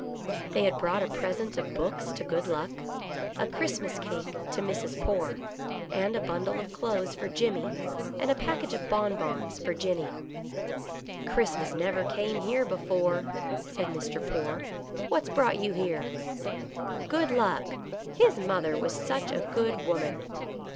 They had brought a present of books to Good Luck, a Christmas cake to Mrs. Poore, and a bundle of clothes for Jimmy, and a package of bonbons for Jenny. " Christmas never came here before," said Mr. Poore. " What's brought you here "" Good Luck; his mother was such a good woman."